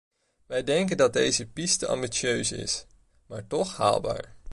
Wij denken dat deze piste ambitieus is, maar toch haalbaar.